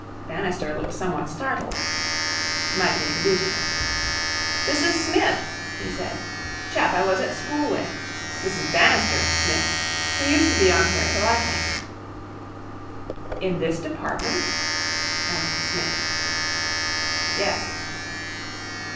Bannister looked somewhat startled. Mike introduced them. 'This is Smith,' he said. 'Chap I was at school with. This is Bannister, Smith, who used to be on here till I came.' 'In this department?' asked Psmith. 'Yes.'